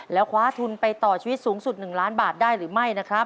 แล้วคว้าทุนไปต่อชีวิตสูงสุด๑ล้านบาทได้หรือไม่นะครับ